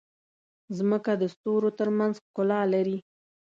مځکه د ستورو ترمنځ ښکلا لري.